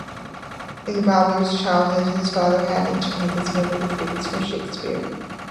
In Bowdler's childhood, his father had entertained his family with readings from Shakespeare.